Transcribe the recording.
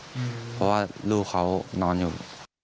เพราะว่าลูกเขานอนอยู่